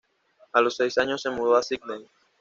A los seis años se mudó a Sídney.